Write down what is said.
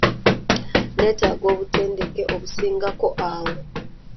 Nneetaaga obutendeke obusingako awo.